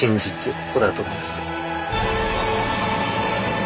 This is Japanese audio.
ここだと思いますから。